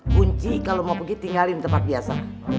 kunci kalau mau pergi tinggalin tempat biasa